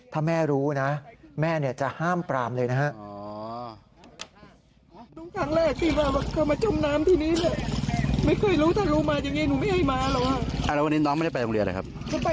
ถ้าแม่รู้นะแม่จะห้ามปรามเลยนะฮะ